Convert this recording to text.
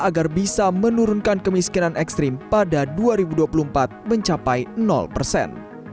agar bisa menurunkan kemiskinan ekstrim pada dua ribu dua puluh empat mencapai persen